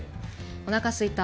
おなかすいた。